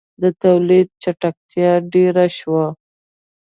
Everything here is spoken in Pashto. • د تولید چټکتیا ډېره شوه.